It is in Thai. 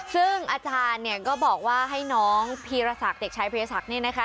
ซึ่งอาจารย์เนี่ยก็บอกว่าให้น้องพีรศักดิ์เด็กชายพยศักดิ์เนี่ยนะคะ